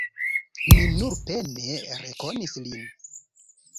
Mi nur pene rekonis lin.